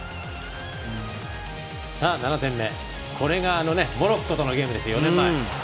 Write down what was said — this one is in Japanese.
７点目、これがモロッコとのゲームです、４年前。